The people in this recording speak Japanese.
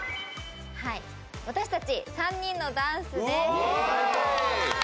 私たち３人のダンスです。